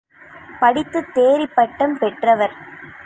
படித்துத் தேறிப் பட்டம் பெற்றவர்.